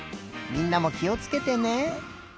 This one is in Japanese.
みんなもきをつけてね。